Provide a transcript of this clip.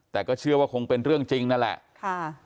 แต่ก็เชื่อว่าคงเป็นเรื่องจริงนั่นแหละค่ะ